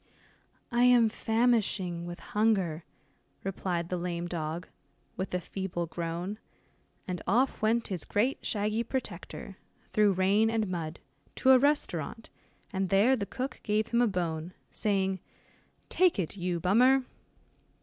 "I am famishing with hunger," replied the lame dog, with a feeble groan, and off went his great shaggy protector, through rain and mud, to a restaurant, and there the cook gave him a bone, saying, "take it, you Bummer."